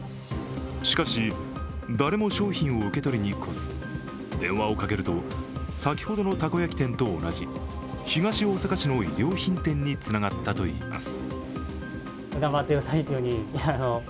しかし、誰も商品を受け取りに来ず電話をかけると先ほどのたこ焼き店と同じ、東大阪市の衣料品店につながったといいます。